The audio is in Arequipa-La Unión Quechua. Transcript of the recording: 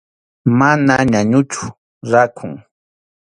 Mana ñañuchu, rakhun.